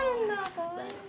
かわいい。